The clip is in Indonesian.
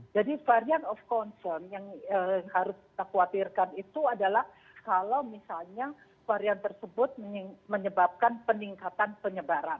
jadi varian of concern yang harus kita khawatirkan itu adalah kalau misalnya varian tersebut menyebabkan peningkatan penyebaran